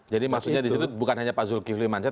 jadi maksudnya di situ bukan hanya pak zulkifli mansah